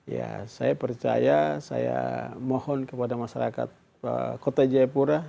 ya saya percaya saya mohon kepada masyarakat kota jayapura